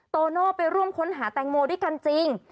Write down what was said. โตโน่ไปร่วมค้นหาแตงโมด้วยกันจริง